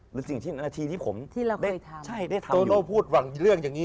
หรือสิ่งที่นาทีที่ผมได้ทำโตโน่พูดหวังเรื่องอย่างนี้